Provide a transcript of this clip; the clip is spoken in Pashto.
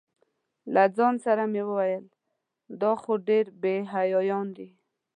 له ځان سره مې ویل دا خو ډېر بې حیایان دي.